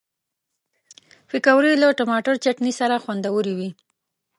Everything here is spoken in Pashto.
پکورې له ټماټر چټني سره خوندورې وي